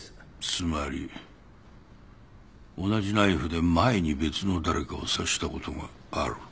つまり同じナイフで前に別の誰かを刺したことがある。